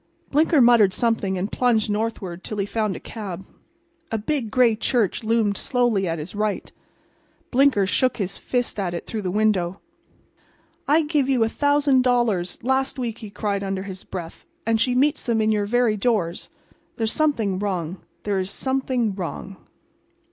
Blinker muttered something and plunged northward till he found a cab. A big, gray church loomed slowly at his right. Blinker shook his fist at it through the window. "I gave you a thousand dollars last week," he cried under his breath, "and she meets them in your very doors. There is something wrong; there is something wrong."